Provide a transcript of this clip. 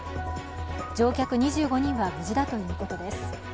乗客２５人は無事だということです。